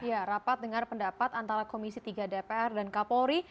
ya rapat dengar pendapat antara komisi tiga dpr dan kapolri